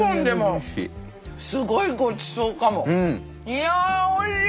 いやおいしい。